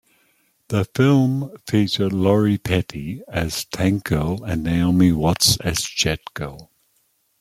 The film featured Lori Petty as Tank Girl and Naomi Watts as Jet Girl.